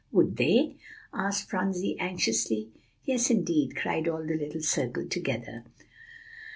"Would they?" asked Phronsie anxiously. "Yes, indeed," cried all the little circle together.